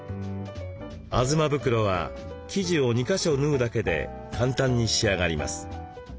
あずま袋は生地を２か所縫うだけで簡単に仕上がります。